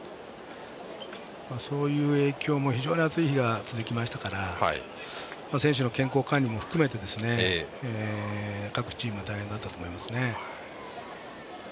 そういう影響も非常に暑い日が続きましたから選手の健康管理も含めて各チームは大変だったと思います。